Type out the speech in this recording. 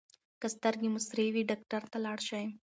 که سترګې مو سرې وي ډاکټر ته لاړ شئ.